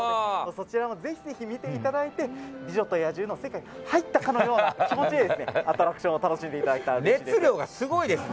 そちらもぜひ見ていただいて「美女と野獣」の世界に入ったかのような気持ちでアトラクション楽しんでいただきたいです。